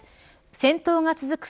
戦闘が続く